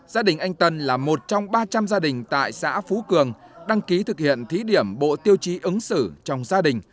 gia đình anh tân là một trong ba trăm linh gia đình tại xã phú cường đăng ký thực hiện thí điểm bộ tiêu chí ứng xử trong gia đình